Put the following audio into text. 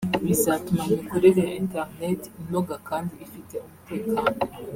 bizatuma imikorere ya Internet inoga kandi ifite umutekano